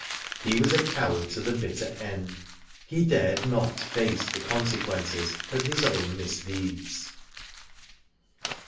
He was a coward to the bitter end. He dared not face the consequences of his own mis deeds.